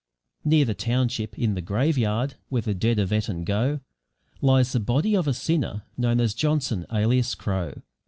Near the township, in the graveyard, where the dead of Eton go, lies the body of a sinner known as "Johnson alias Crow".